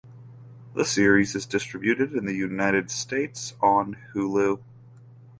The series is distributed in the United States on Hulu.